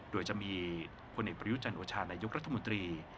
โดยจะมีคนในประยุจันทร์โอชาณายุครัฐมนตรี